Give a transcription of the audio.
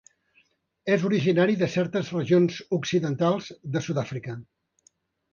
És originari de certes regions occidentals de Sud-àfrica.